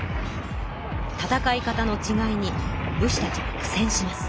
戦い方のちがいに武士たちは苦戦します。